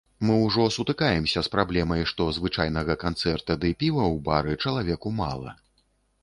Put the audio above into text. Мы ўжо сутыкаемся з праблемай, што звычайнага канцэрта ды піва ў бары чалавеку мала.